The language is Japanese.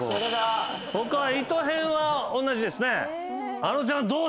他は糸へんはおんなじですね。